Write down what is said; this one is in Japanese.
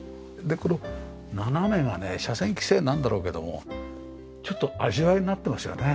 でこの斜めがね斜線規制なんだろうけどもちょっと味わいになってますよね。